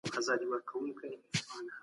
لکه وچې میوې چې زموږ نښان دی.